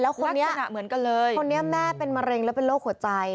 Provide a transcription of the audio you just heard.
แล้วคนนี้แม่เป็นมะเร็งและเป็นโรคหัวใจ